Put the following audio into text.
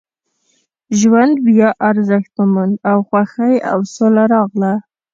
ژوند بیا ارزښت وموند او خوښۍ او سوله راغله